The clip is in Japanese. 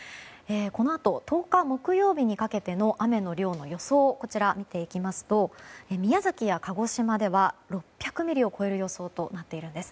このあと１０日木曜日にかけての雨の量の予想を見ていきますと宮崎や鹿児島では６００ミリを超える予想となっているんです。